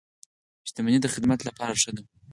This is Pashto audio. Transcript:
• شتمني د خدمت لپاره ښه ده.